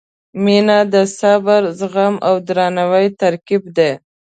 • مینه د صبر، زغم او درناوي ترکیب دی.